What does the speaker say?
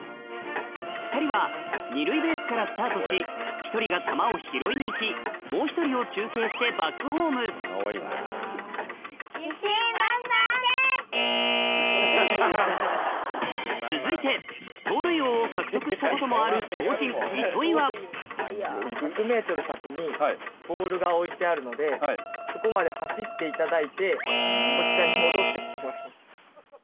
２人は２塁ベースからスタートし１人が球を拾いに行きもう１人を中継してバックホーム続いて盗塁王を獲得したこともある超人糸井はそこまで走っていただいてこちらに戻って来てもらう。